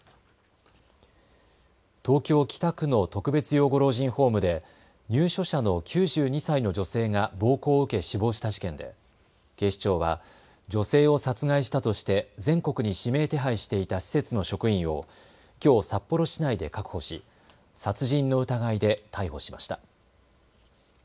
東京北区の特別養護老人ホームで入所者の９２歳の女性が暴行を受け死亡した事件で警視庁は女性を殺害したとして全国に指名手配していた施設の職員をきょう札幌市内で確保し殺人の疑いで逮捕しました。